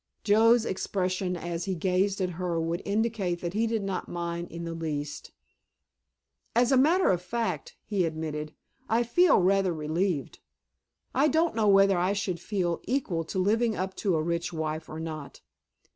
Joe's expression as he gazed at her would indicate that he did not mind in the least. "As a matter of fact," he admitted, "I feel rather relieved. I don't know whether I should feel equal to living up to a rich wife or not."